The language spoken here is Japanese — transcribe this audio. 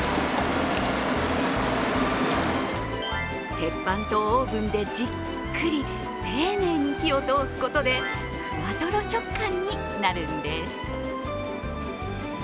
鉄板とオーブンでじっくり丁寧に火を通すことでふわとろ食感になるんです。